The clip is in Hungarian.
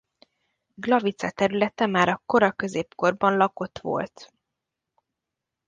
Glavice területe már a kora középkorban lakott volt.